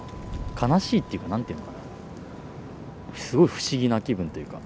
悲しいっていうか何ていうのかなすごい不思議な気分というか。